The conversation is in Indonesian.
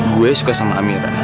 gue suka sama amirah